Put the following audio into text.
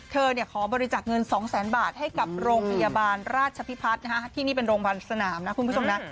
ขอบริจาคเงิน๒แสนบาทให้กับโรงพยาบาลราชพิพัฒน์ที่นี่เป็นโรงพยาบาลสนามนะคุณผู้ชมนะ